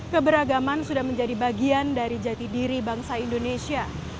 keberagaman sudah menjadi bagian dari jati diri bangsa indonesia